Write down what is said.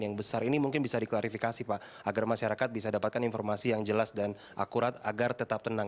yang besar ini mungkin bisa diklarifikasi pak agar masyarakat bisa dapatkan informasi yang jelas dan akurat agar tetap tenang